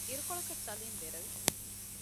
އިރުކޮޅަކަށް ސަލީމް ދެރަވި